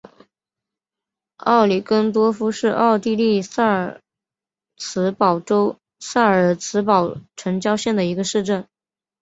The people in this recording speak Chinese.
奥伊根多夫是奥地利萨尔茨堡州萨尔茨堡城郊县的一个市镇。